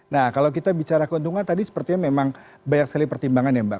nah kalau kita bicara keuntungan tadi sepertinya memang banyak sekali pertimbangan ya mbak